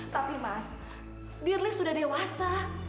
tapi mas dearly sudah dewasa